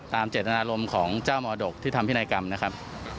เจตนารมณ์ของเจ้ามรดกที่ทำพินัยกรรมนะครับ